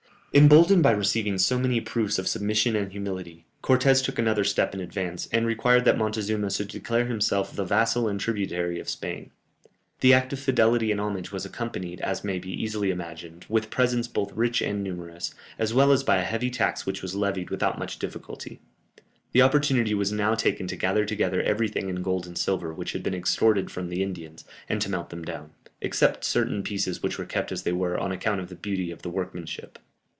Emboldened by receiving so many proofs of submission and humility, Cortès took another step in advance, and required that Montezuma should declare himself the vassal and tributary of Spain. The act of fidelity and homage was accompanied, as may be easily imagined, with presents both rich and numerous, as well as by a heavy tax which was levied without much difficulty. The opportunity was now taken to gather together everything in gold and silver, which had been extorted from the Indians, and to melt them down, except certain pieces which were kept as they were, on account of the beauty of the workmanship.